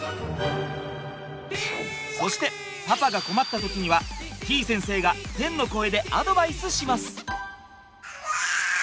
そしてパパが困った時にはてぃ先生が天の声でアドバイスします。